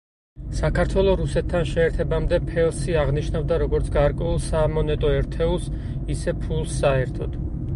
საქართველო რუსეთთან შეერთებამდე ფელსი აღნიშნავდა როგორც გარკვეულ სამონეტო ერთეულს, ისე ფულს საერთოდ.